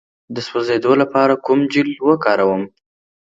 د سوځیدو لپاره کوم جیل وکاروم؟